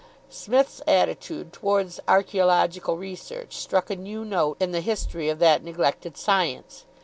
Psmith's attitude towards archaeological research struck a new note in the history of that neglected science.